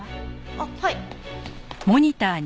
あっはい。